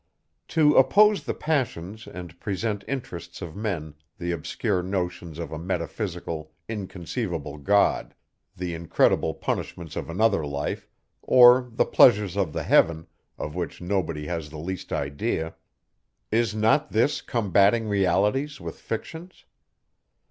To oppose the passions and present interests of men the obscure notions of a metaphysical, inconceivable God, the incredible punishments of another life, or the pleasures of the heaven, of which nobody has the least idea, is not this combating realities with fictions?